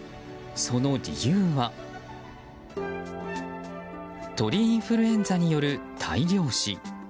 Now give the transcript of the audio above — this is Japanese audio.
その理由は鳥インフルエンザによる大量死。